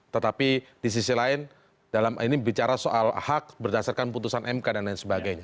tetapi di sisi lain dalam ini bicara soal hak berdasarkan putusan mk dan lain sebagainya